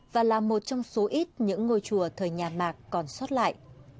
và là một trong số ít những ngôi chùa thời nhà mạc còn xót lại